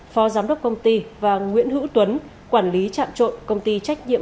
phó giám đốc công ty và nguyễn hữu tuấn quản lý chạm trộn công ty trách nhiệm